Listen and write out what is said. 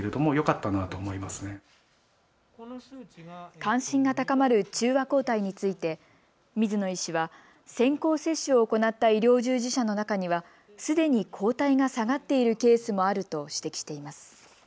関心が高まる中和抗体について水野医師は先行接種を行った医療従事者の中には、すでに抗体が下がっているケースもあると指摘しています。